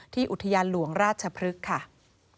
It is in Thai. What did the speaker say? ที่อุทยานหลวงราชพฤกษ์